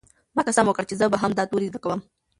ما قسم وکړ چې زه به هم دا توري زده کوم.